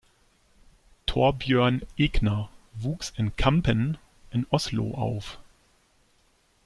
Thorbjørn Egner wuchs in Kampen in Oslo auf.